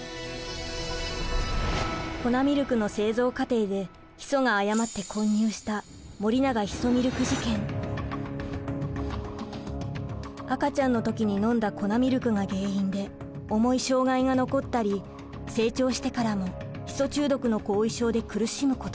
粉ミルクの製造過程でヒ素が誤って混入した赤ちゃんの時に飲んだ粉ミルクが原因で重い障害が残ったり成長してからもヒ素中毒の後遺症で苦しむことに。